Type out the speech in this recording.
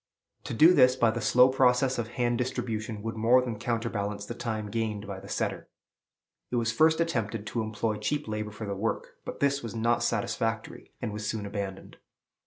To do this by the slow process of hand distribution would more than counterbalance the time gained by the setter. It was first attempted to employ cheap labor for the work; but this was not satisfactory, and was soon abandoned.